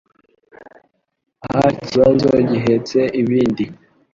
aha ikibazo gihetse ibindi